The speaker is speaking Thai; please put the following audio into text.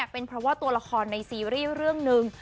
เป็นเพราะว่าตัวละครในซีรีส์เรื่องหนึ่ง